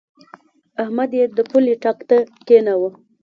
احمد يې د پولۍ ټک ته کېناوو.